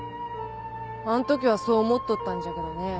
あん時はそう思っとったんじゃけどねぇ。